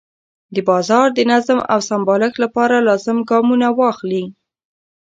د بازار د نظم او سمبالښت لپاره لازم ګامونه واخلي.